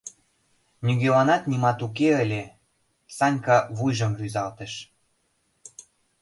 Нигӧланат нимат уке ыле, — Санька вуйжым рӱзалтыш.